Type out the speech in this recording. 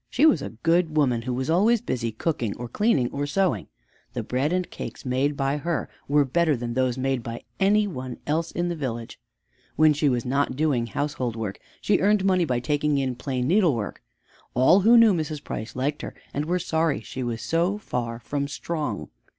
She was a good woman who was always busy cooking, or cleaning, or sewing. The bread and cakes made by her were better than those made by any one else in the village. When she was not doing household work, she earned money by taking in plain needlework. All who knew Mrs. Price liked her and were sorry she was so far from strong.